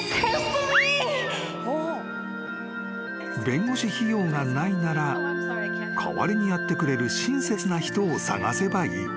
［弁護士費用がないなら代わりにやってくれる親切な人を探せばいい］